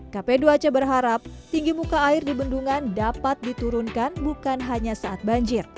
kp dua c berharap tinggi muka air di bendungan dapat diturunkan bukan hanya saat banjir